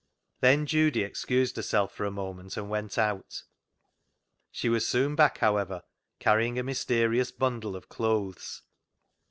Then Judy excused herself for a moment and went out. She was soon back, however, carrying a mysterious bundle of clothes.